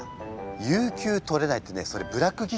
有給取れないってねそれブラック企業だからね。